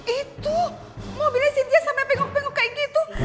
itu mobilnya cynthia sampai pengok pengok kayak gitu